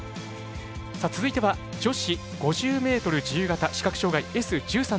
続いては、女子５０ｍ自由形視覚障がいＳ１３のクラス。